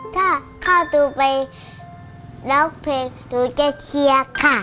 ถ้าข้าดูไปรักเพลงหนูจะเชียร์ค่ะ